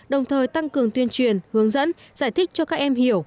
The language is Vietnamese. đồng thời tăng cường tuyên truyền hướng dẫn giải thích cho các em hiểu